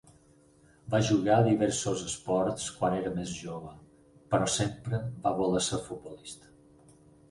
Va jugar diversos esports quan era més jove, però sempre va voler ser futbolista.